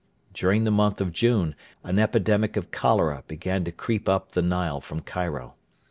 During the month of June an epidemic of cholera began to creep up the Nile from Cairo.